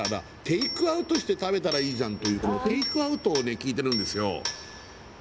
「テイクアウトして食べたらいいじゃん！」というこのテイクアウトをね聞いてるんですよ